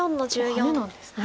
ハネなんですね。